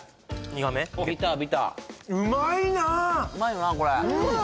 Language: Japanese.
・うまいよなこれうん